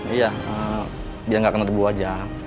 iya dia gak kena debu wajah